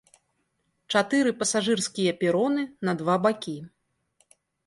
Чатыры пасажырскія пероны на два бакі.